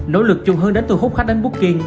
nỗ lực chung hơn đến thu hút khách đến bút kiên